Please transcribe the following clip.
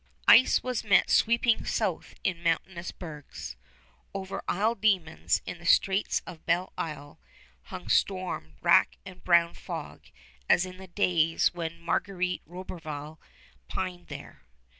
Ice was met sweeping south in mountainous bergs. Over Isle Demons in the Straits of Belle Isle hung storm wrack and brown fog as in the days when Marguerite Roberval pined there.